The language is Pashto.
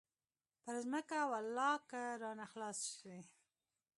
پر ځمکه ولله که رانه خلاص سي.